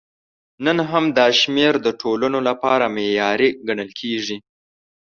نن هم دا شمېر د ټولنو لپاره معیاري ګڼل کېږي.